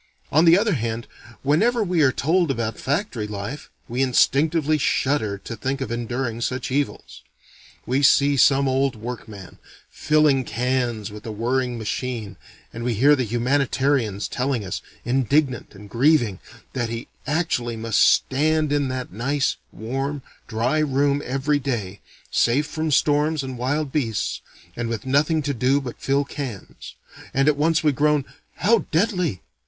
On the other hand whenever we are told about factory life, we instinctively shudder to think of enduring such evils. We see some old work man, filling cans with a whirring machine; and we hear the humanitarians telling us, indignant and grieving, that he actually must stand in that nice, warm, dry room every day, safe from storms and wild beasts, and with nothing to do but fill cans; and at once we groan: "How deadly!